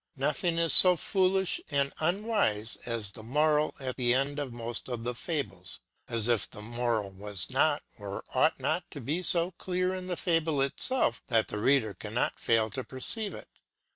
Nothing is so foolish and unwise as the moral at the end of most of the fables; as if the moral was not, or ought not to be so clear in the fable itself that the reader cannot fail to perceive it.